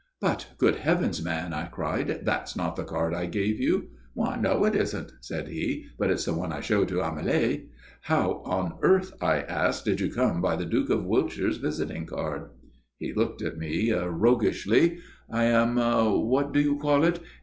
"But, good heavens, man," I cried, "that's not the card I gave you." "I know it isn't," said he; "but it's the one I showed to Amélie." "How on earth," I asked, "did you come by the Duke of Wiltshire's visiting card?" He looked at me roguishly. "I am what do you call it?